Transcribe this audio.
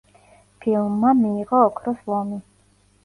ფილმმა მიიღო ოქროს ლომი.